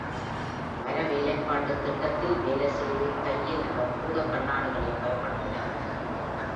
மர வேலைப்பாட்டுத் திட்டத்தில் வேலை செய்துகையில் அவர் பூதக்கண்ணாடிகளை பயன்படுத்தினார்.